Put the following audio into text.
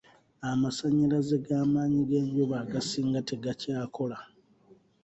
Amasannyalaze g'amaanyi g'enjuba agasinga tegakyakola.